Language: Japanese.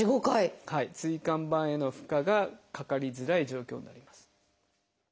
椎間板への負荷がかかりづらい状況になります。